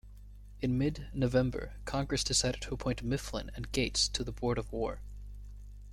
In mid-November, Congress decided to appoint Mifflin and Gates to the Board of War.